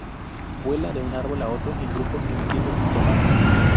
Vuela de un árbol a otro en grupos, emitiendo sus llamadas.